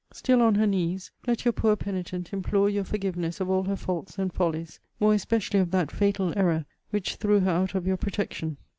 Still on her knees, let your poor penitent implore your forgiveness of all her faults and follies; more especially of that fatal error which threw her out of your protection.